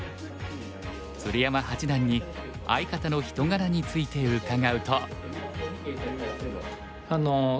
鶴山八段に相方の人柄について伺うと。